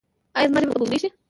ایا زما ژبه به ګونګۍ شي؟